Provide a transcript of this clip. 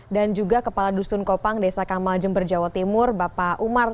dan juga kepala dusun kopang desa kamal jember jawa timur bapak umar